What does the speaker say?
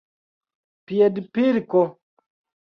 piedpilko